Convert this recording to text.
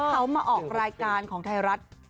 เขามาออกรายการของไทยรัฐ